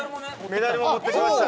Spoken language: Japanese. メダルも持ってきました